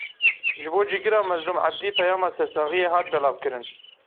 Ji bo Cîgira Mazlûm Ebdî peyama sersaxiyê hat belavkirin.